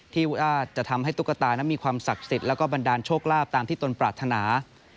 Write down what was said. ที่จะทำให้ตุ๊กตานั้นมีความศักดิ์สิทธิ์แล้วก็บันดาลโชคลาภตามที่ตนปรารถนา